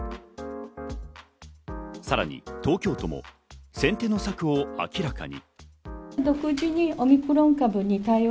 さらに東京都も先手の策を明らかに。